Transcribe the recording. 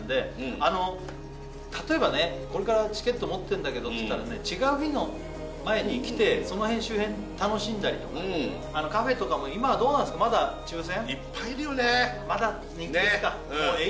あの例えばね「これからチケット持ってんだけど」っていったらね違う日の前に来てカフェとかも今はどうなんすかまだ抽選？